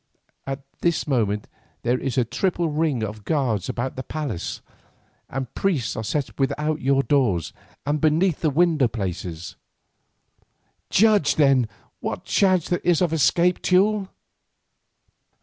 At this moment there is a triple ring of guards about the palace, and priests are set without your doors and beneath the window places. Judge, then, what chance there is of escape, Teule."